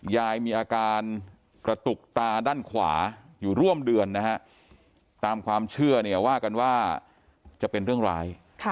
มีอาการกระตุกตาด้านขวาอยู่ร่วมเดือนนะฮะตามความเชื่อเนี่ยว่ากันว่าจะเป็นเรื่องร้าย